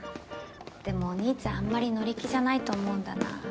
でもお兄ちゃんあんまり乗り気じゃないと思うんだな。